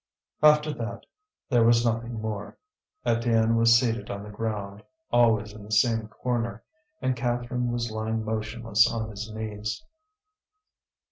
After that there was nothing more. Étienne was seated on the ground, always in the same corner, and Catherine was lying motionless on his knees.